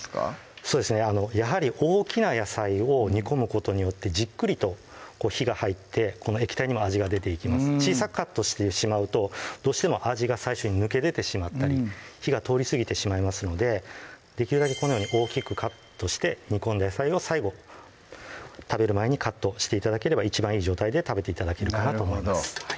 そうですねやはり大きな野菜を煮込むことによってじっくりと火が入ってこの液体にも味が出ていきます小さくカットしてしまうとどうしても味が最初に抜け出てしまったり火が通りすぎてしまいますのでできるだけこのように大きくカットして煮込んだ野菜を最後食べる前にカットして頂ければ一番いい状態で食べて頂けるかなと思います